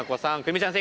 泉ちゃん